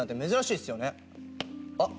あっ！